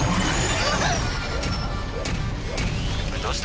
どうした？